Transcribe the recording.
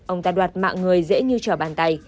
ông ta đoạt mạng người dễ như chở bàn tay